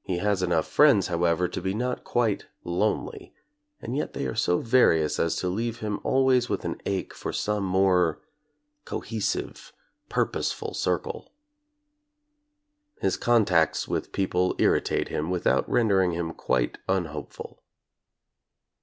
He has enough friends, however, to be not quite lonely, and yet they are so various as to leave him always with an ache for some more cohesive, purposeful circle. His contacts with people irri tate him without rendering him quite unhopeful.